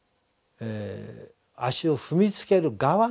足を踏みつける側のね